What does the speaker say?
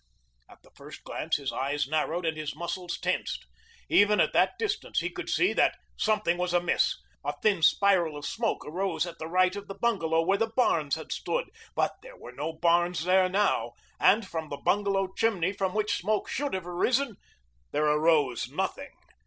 At the first glance his eyes narrowed and his muscles tensed. Even at that distance he could see that something was amiss. A thin spiral of smoke arose at the right of the bungalow where the barns had stood, but there were no barns there now, and from the bungalow chimney from which smoke should have arisen, there arose nothing.